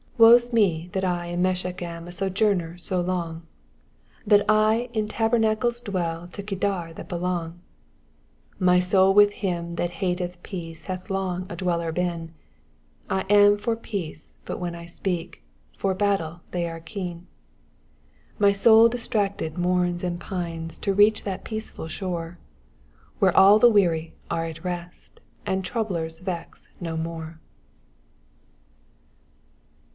'* Woe^B me that I in Mesecb am A 8oJounier bo long ; That I in tat)ernacleB dwell To Kedar that belong. My soul with bim that hatcth peace Hath long a dweller been ; I am for peace ; but when I speak, For battle they are keen. My soul distracted mourns and pines To reach that peaceful shore, Where all the weary are at rosL And troublers vex no more.